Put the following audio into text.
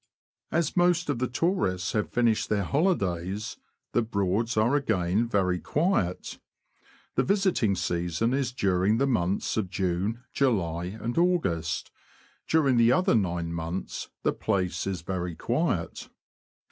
As most of the tourists have finished their holidays, the Broads are again very quiet. The visiting season is during the months of June, July, and August ; during the other nine months the place is very quiet.